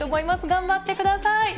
頑張ってください。